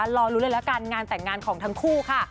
รอรู้เลยละกันงานแต่งงานของทั้งคู่ค่ะ